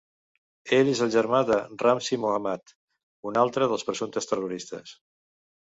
Ell és el germà de Ramzi Mohammad, un altre dels presumptes terroristes.